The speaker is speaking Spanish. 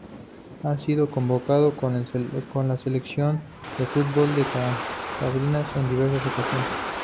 Ha sido convocado con la Selección de fútbol de Cantabria en diversas ocasiones.